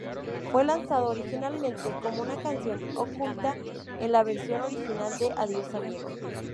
Fue lanzado originalmente como una canción oculta en la versión original de "¡Adiós Amigos!